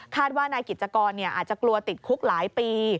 ว่านายกิจกรอาจจะกลัวติดคุกหลายปี